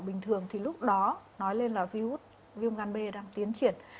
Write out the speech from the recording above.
bình thường thì lúc đó nói lên là viếu út viêm gan b đang tiến triển